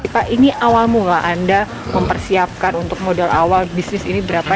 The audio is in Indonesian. pak ini awal mula anda mempersiapkan untuk modal awal bisnis ini berapa